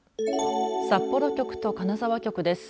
札幌局と金沢局です。